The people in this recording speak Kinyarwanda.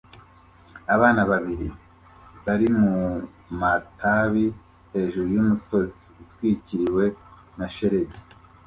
Abana babiri bari mumatabi hejuru yumusozi utwikiriwe na shelegi